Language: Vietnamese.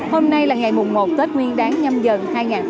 hôm nay là ngày một tết nguyên đáng nhâm dần hai nghìn hai mươi hai